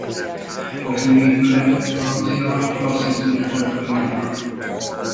A főépület francia klasszicista stílusú.